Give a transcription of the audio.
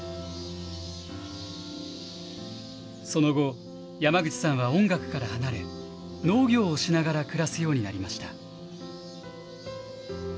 その後、山口さんは音楽から離れ、農業をしながら暮らすようになりました。